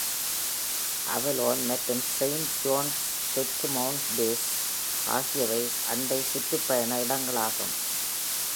அவலோன் மற்றும் Saint John's தெற்கு-மவுண்ட் Pearl ஆகியவை அண்டைசுற்றுப்பயண இடங்களாகும்.